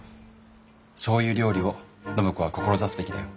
そういう料理を暢子は志すべきだよ。